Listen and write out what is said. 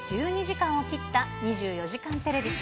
間を切った２４時間テレビ。